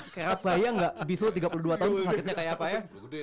kayak bayi gak bisul tiga puluh dua tahun tuh sakitnya kayak apa ya